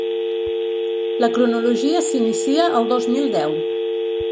La cronologia s’inicia el dos mil deu.